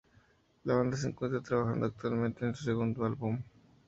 La banda se encuentra trabajando actualmente en su segundo álbum.